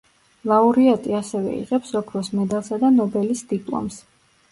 ლაურეატი ასევე იღებს ოქროს მედალსა და ნობელის დიპლომს.